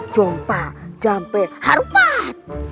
jompa jampe harumpat